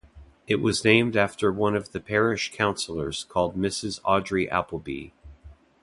It was named after one of the Parish Councilors called Mrs Audrey Appleby.